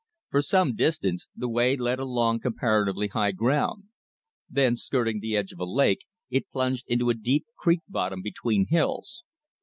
For some distance the way led along comparatively high ground. Then, skirting the edge of a lake, it plunged into a deep creek bottom between hills.